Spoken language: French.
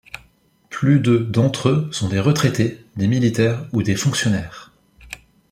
Plus de d'entre eux sont des retraités, des militaires ou des fonctionnaires.